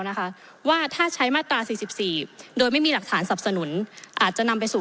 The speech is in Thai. นะคะว่าถ้าใช้มาตรา๔๔โดยไม่มีหลักฐานสับสนุนอาจจะนำไปสู่